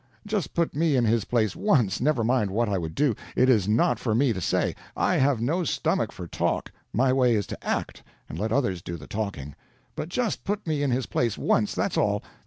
Just put me in his place once—never mind what I would do, it is not for me to say, I have no stomach for talk, my way is to act and let others do the talking—but just put me in his place once, that's all!